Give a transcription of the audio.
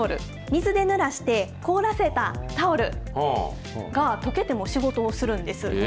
水でぬらして、凍らせたタオルが、とけても仕事をするんです。